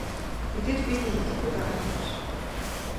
Мэдээж би танд итгэхгүй байгаа хэрэг биш.